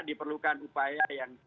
diperlukan upaya yang